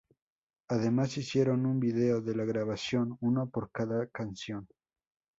Además hicieron un vídeo de la grabación, uno por cada canción.